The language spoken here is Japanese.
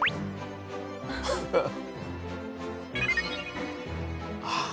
ハハッ。